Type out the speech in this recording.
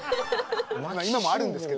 まだ今もあるんですけど。